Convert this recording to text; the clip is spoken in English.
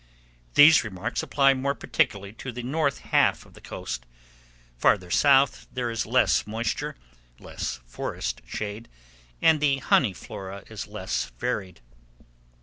These remarks apply more particularly to the north half of the coast. Farther south there is less moisture, less forest shade, and the honey flora is less varied.